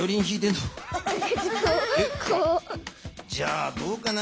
じゃあどうかな？